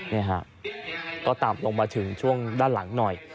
นี่ฮะก็ต่ำลงมาถึงช่วงด้านหลังหน่อย